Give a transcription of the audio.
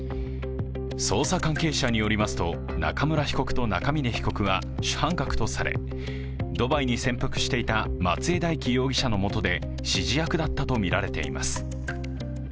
捜査関係者によりますと、中村被告と中峯被告は主犯格とされ、ドバイに潜伏していた松江大樹容疑者のもとで指示役だったとみられています。